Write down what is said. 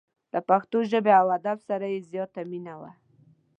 له پښتو ژبې او ادب سره یې زیاته مینه وه.